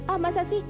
ah masa sih